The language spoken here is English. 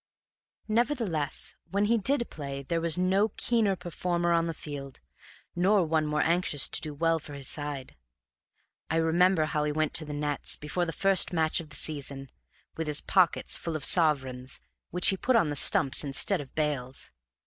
Nevertheless, when he did play there was no keener performer on the field, nor one more anxious to do well for his side. I remember how he went to the nets, before the first match of the season, with his pocket full of sovereigns, which he put on the stumps instead of bails.